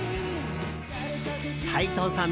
斉藤さん